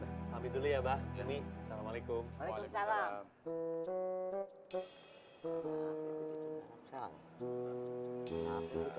oh iya nabi dulu ya mbak ini assalamualaikum waalaikumsalam